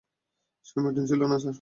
সে মিঠুন ছিল না, স্যার।